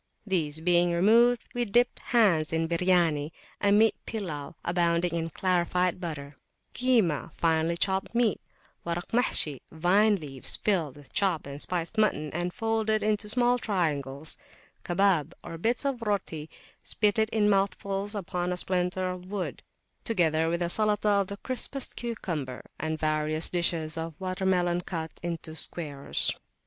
These being removed, we dipped hands in Biryani, a meat pillaw, abounding in clarified butter; Kimah, finely chopped meat; Warak Mahshi, vine leaves filled with chopped and spiced mutton, and folded into small triangles; Kabab, or bits of roti spitted in mouthfuls upon a splinter of wood; together with a Salatah of the crispest cucumber, and various dishes of water melon cut up into squares.